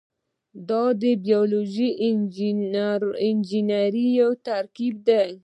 دا د بیولوژي او انجنیری یو ترکیب دی.